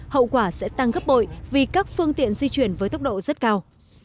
hậu quả sẽ tăng gấp bội vì các phương tiện di chuyển với tốc độ rất cao